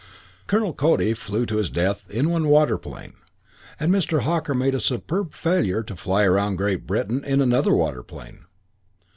Colonel Cody flew to his death in one waterplane, and Mr. Hawker made a superb failure to fly around Great Britain in another waterplane.